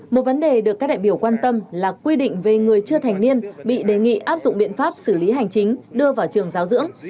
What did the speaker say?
một vấn đề được các đại biểu quan tâm là quy định về người chưa thành niên bị đề nghị áp dụng biện pháp xử lý hành chính đưa vào trường giáo dưỡng